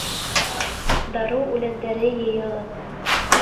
Дарыу үләндәре йыйығыҙ!